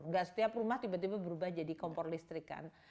gak setiap rumah tiba tiba berubah jadi kompor listrik kan